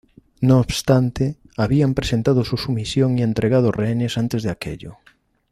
No obstante, habían presentado su sumisión y entregado rehenes antes de aquello.